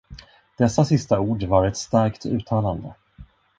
Dessa sista ord var ett starkt uttalande.